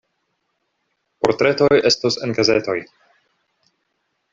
Portretoj estos en gazetoj.